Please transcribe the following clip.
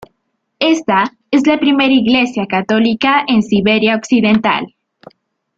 Esta es la primera iglesia católica en Siberia occidental.